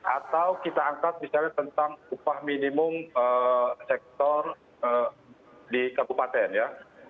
atau kita angkat misalnya tentang upah minimum sektor di kabupaten ya